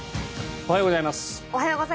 おはようございます。